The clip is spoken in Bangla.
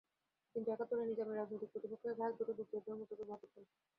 কিন্তু একাত্তরে নিজামী রাজনৈতিক প্রতিপক্ষকে ঘায়েল করতে বক্তৃতায় ধর্মকে ব্যবহার করতেন।